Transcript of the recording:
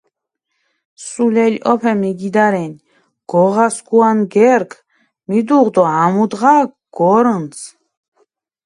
სულელი ჸოფე მიგიდა რენი, გოღა სქუა ნგერქჷ მიდუღჷ დო ამუდღა გორჷნცჷ.